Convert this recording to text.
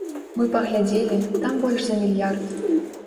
Мы паглядзелі, там больш за мільярд.